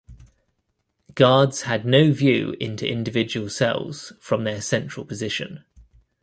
Guards had no view into individual cells from their central position.